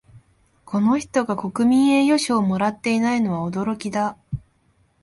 この人が国民栄誉賞をもらっていないのは驚きだ